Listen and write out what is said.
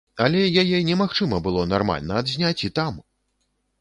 Але яе немагчыма было нармальна адзняць і там!